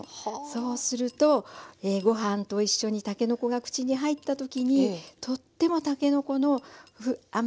そうするとご飯と一緒にたけのこが口に入った時にとってもたけのこの甘い香りがしてきます。